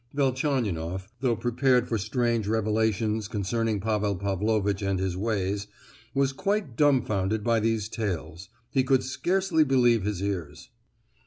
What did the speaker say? Velchaninoff, though prepared for strange revelations concerning Pavel Pavlovitch and his ways, was quite dumbfounded by these tales; he could scarcely believe his ears.